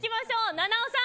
菜々緒さん。